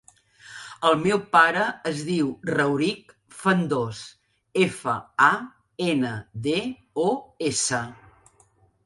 El meu pare es diu Rauric Fandos: efa, a, ena, de, o, essa.